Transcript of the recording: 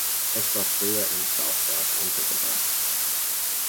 Es war früher in Southwark untergebracht.